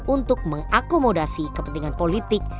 untuk mengakomodasi kepentingan politik